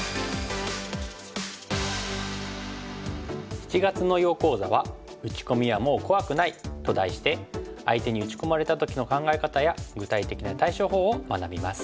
７月の囲碁講座は「打ち込みはもう怖くない」と題して相手に打ち込まれた時の考え方や具体的な対処法を学びます。